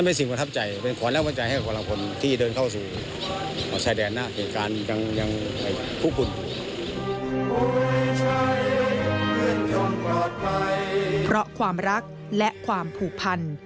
เพราะความรักและความผูกพัน